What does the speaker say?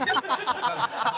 ハハハハ！